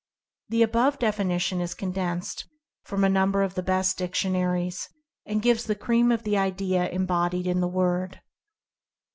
The above definition is condensed from a number of the best dictionaries, and gives the cream of the idea embodied in the word.